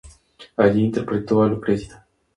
Allí interpretó a Lucrecia.